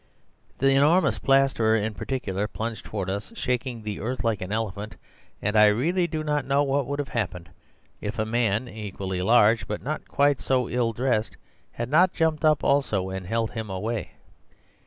The enormous plasterer, in particular, plunged towards us, shaking the earth like an elephant; and I really do not know what would have happened if a man equally large, but not quite so ill dressed, had not jumped up also and held him away.